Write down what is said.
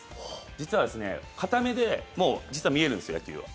実はですね、片目でも実は見えるんですよ、野球は。